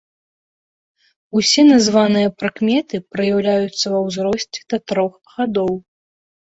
Усе названыя прыкметы праяўляюцца ва ўзросце да трох гадоў.